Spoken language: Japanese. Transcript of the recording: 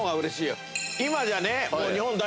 今じゃね